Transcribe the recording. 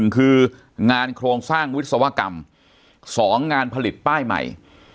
๑คืองานโครงสร้างวิศวกรรม๒งานผลิตป้ายใหม่